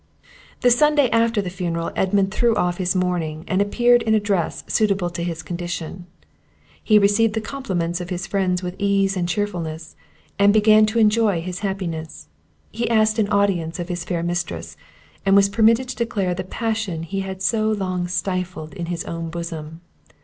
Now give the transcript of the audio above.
The Sunday after the funeral Edmund threw off his mourning, and appeared in a dress suitable to his condition. He received the compliments of his friends with ease and cheerfulness, and began to enjoy his happiness. He asked an audience of his fair mistress, and was permitted to declare the passion he had so long stifled in his own bosom.